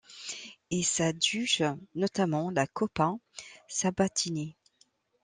Il s'adjuge notamment la Coppa Sabatini.